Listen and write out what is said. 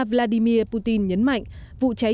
vladimir putin nhấn mạnh vụ cháy